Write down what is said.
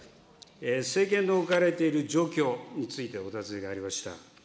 政権の置かれている状況についてお尋ねがありました。